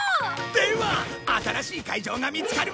では新しい会場が見つかるまで解散！